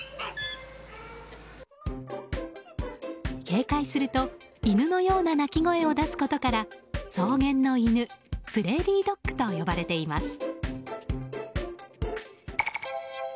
警戒すると犬のような鳴き声を出すことから草原の犬、プレーリードッグと呼ばれています。